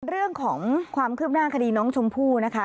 เรื่องของความคืบหน้าคดีน้องชมพู่นะคะ